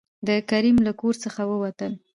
د کريم له کور څخه ووتل.